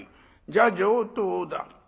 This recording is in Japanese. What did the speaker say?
じゃ上等だ。